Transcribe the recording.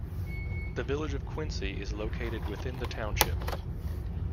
The village of Quincy is located within the township.